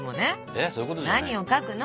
「何を描くの？